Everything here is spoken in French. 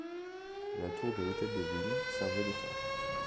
La tour de l'hôtel de ville servait de phare.